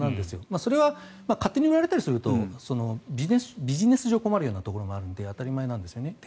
それは勝手に売られたりするとビジネス上困るようなところもあるので当たり前なんですよね。